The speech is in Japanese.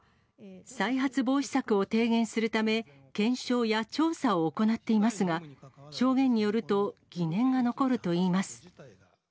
再発防止策を提言するため、検証や調査を行っていますが、証言によると、疑念が残るといいます。